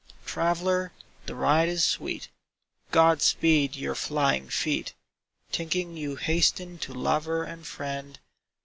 "Traveller, the ride is sweet, God speed your flying feet, Thinking you hasten to lover and friend.